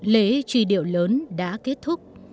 lễ truy điệu lớn đã kết thúc